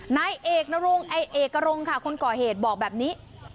นายเอกนรงเอกรงค่ะคนก่อเหตุบอกแบบนี้